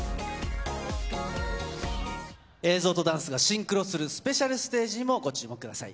映像とダンスがシンクロするスペシャルステージにもご注目ください。